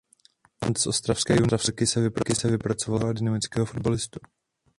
Talent z ostravské juniorky se vypracoval na rychlého a dynamického fotbalistu.